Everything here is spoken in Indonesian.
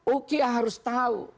uki harus tahu